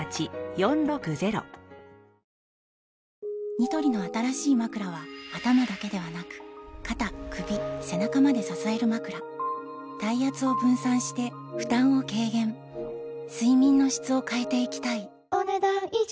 ニトリの新しいまくらは頭だけではなく肩・首・背中まで支えるまくら体圧を分散して負担を軽減睡眠の質を変えていきたいお、ねだん以上。